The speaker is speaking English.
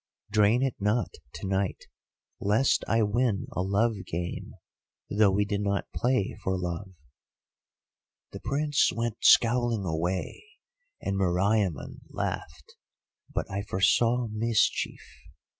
Drain it not to night, lest I win a love game, though we do not play for love!' "The Prince went scowling away, and Meriamun laughed, but I foresaw mischief.